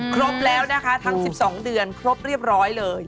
ครบแล้วนะคะทั้ง๑๒เดือนครบเรียบร้อยเลย